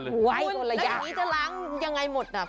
นี่จะล้างอย่างไรหมดอ่ะ